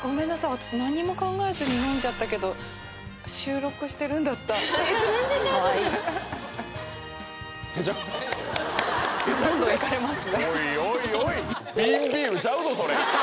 私何にも考えずに飲んじゃったけど収録してるんだった全然大丈夫それしたいと思います